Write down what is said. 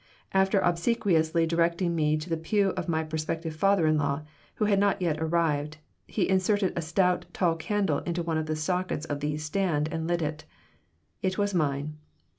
After obsequiously directing me to the pew of my prospective father in law, who had not yet arrived, he inserted a stout, tall candle into one of the sockets of the "stand" and lit it. It was mine.